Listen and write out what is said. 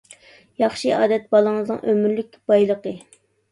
ياخشى ئادەت بالىڭىزنىڭ ئۆمۈرلۈك بايلىقى.